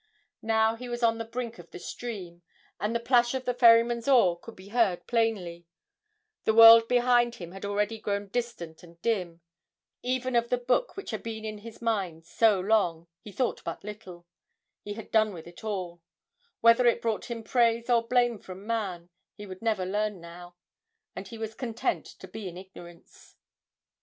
Now he was on the brink of the stream, and the plash of the ferryman's oar could be heard plainly; the world behind him had already grown distant and dim; even of the book which had been in his mind so long, he thought but little he had done with it all; whether it brought him praise or blame from man, he would never learn now, and was content to be in ignorance.